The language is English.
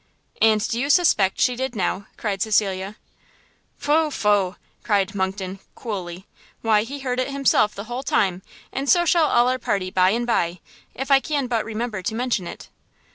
"And do you suspect she did now?" cried Cecilia. "Pho, pho," cried Monckton, coolly, "why he heard it himself the whole time! and so shall all our party by and bye, if I can but remember to mention it."